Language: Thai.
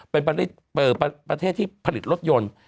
เป็นประเทศที่ผลิตรถยนต์